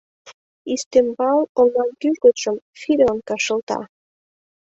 Ӱстембал оҥан кӱжгытшым филёнка шылта.